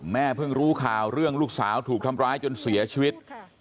เพิ่งรู้ข่าวเรื่องลูกสาวถูกทำร้ายจนเสียชีวิต